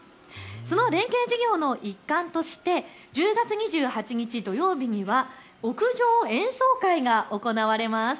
その連携事業の一環として１０月２８日土曜日には屋上演奏会が行われます。